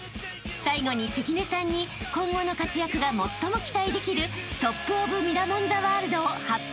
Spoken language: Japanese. ［最後に関根さんに今後の活躍が最も期待できるトップオブミラモンＴＨＥワールドを発表していただきます］